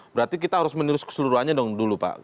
berarti kita harus menirus keseluruhannya dong dulu pak